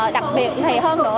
đặc biệt thì hơn nữa